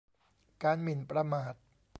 การหมิ่นประมาท